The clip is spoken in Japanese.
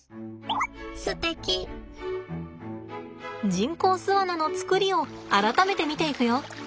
人工巣穴の作りを改めて見ていくよ。